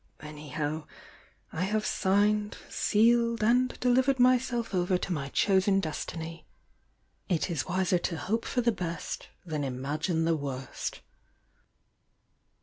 Anyhow, I have signed, sealed, and delivered myself over to my chosen des 126 THE YOUNG DIANA tiny;— it is wiser to hope for the best than imagine the worst."